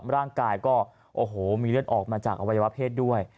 ร่างกายก็โอ้โหมีเลือดออกมาจากอวัยวะเพศด้วย